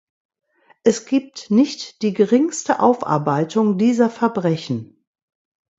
Es gibt nicht die geringste Aufarbeitung dieser Verbrechen.